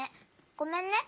ごめんね。